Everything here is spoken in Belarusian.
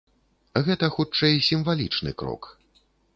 Гэта, хутчэй, сімвалічны крок.